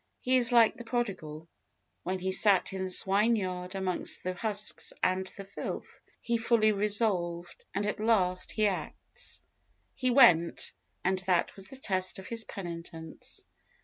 He is like the prodigal, when he sat in the swine yard amongst the husks and the filth, he fully resolved, and at last he acts. He went, and that was the test of his penitence!